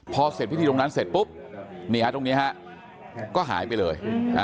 พอเสร็จพิธีตรงนั้นเสร็จปุ๊บนี่ฮะตรงนี้ฮะก็หายไปเลย